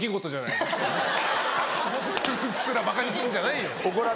うっすらばかにすんじゃないよ。